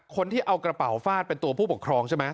คนที่เอากระเป๋าฟาดเป็นตัวผู้ปกครองใช่ไหม